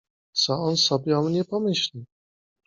Co on sobie o mnie pomyśli!